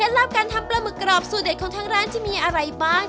ลับการทำปลาหมึกกรอบสูตรเด็ดของทางร้านจะมีอะไรบ้าง